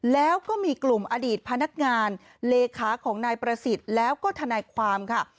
แล้วก็มีกลุ่มอดีตพนักงานเลขาของนายประสิทธิ์แล้วก็ทนายความค่ะ